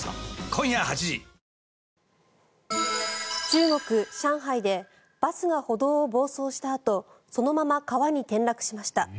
中国・上海でバスが歩道を暴走したあとそのまま川に転落しました。